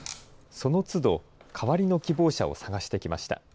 そのつど、代わりの希望者を探してきました。